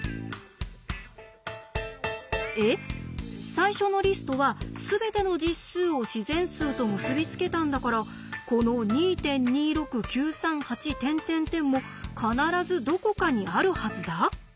最初のリストはすべての実数を自然数と結び付けたんだからこの２．２６９３８も必ずどこかにあるはずだ？